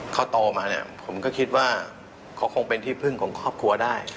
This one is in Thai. เขาโตมาเนี่ยผมก็คิดว่าเขาคงเป็นที่พึ่งของครอบครัวได้